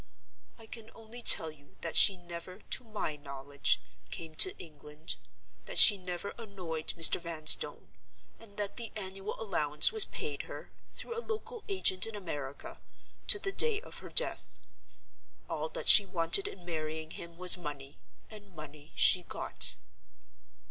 I can only tell you that she never, to my knowledge, came to England; that she never annoyed Mr. Vanstone; and that the annual allowance was paid her, through a local agent in America, to the day of her death. All that she wanted in marrying him was money; and money she got.